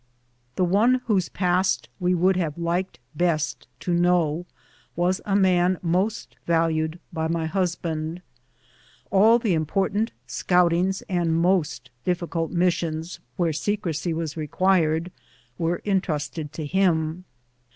The one whose past we would have liked best to know was a man most valued by my husband. All the important scoutings and most difficult missions where secrecy was required were intrusted to him.